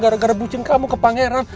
gara gara bucin kamu ke pangeran